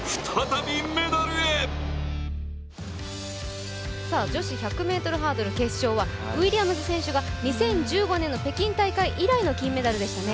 本麒麟女子４００ｍハードル決勝はウィリアムズ選手が２０１５年の北京大会以来の金メダルでしたね。